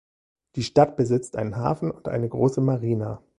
Die Stadt besitzt einen Hafen und eine große Marina.